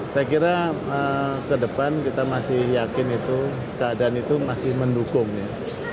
saya kira ke depan kita masih yakin itu keadaan itu masih mendukung ya